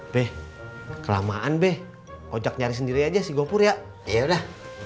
be kelamaan be ojak nyari sendiri aja sih gopur ya ya udah